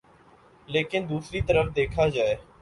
لیکن دوسری طرف دیکھا جائے